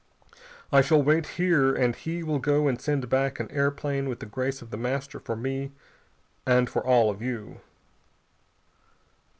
I shall wait here and he will go and send back an airplane with the grace of The Master for me and for all of you."